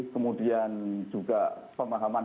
kemudian juga pemahaman